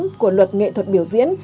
nội dung của luật nghệ thuật biểu diễn